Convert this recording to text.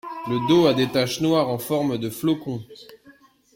Le dos a des taches noires en forme de flocons.